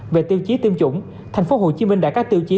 về tiêu chí tiêm chủng tp hcm đã có tiêu chí